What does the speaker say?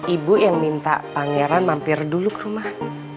ibu yang minta pangeran mampir dulu ke rumah